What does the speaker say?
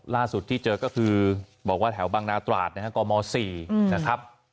ล่าสุดที่เจอก็คือบอกว่าแถวบางนาตราดนะฮะกม๔นะครับ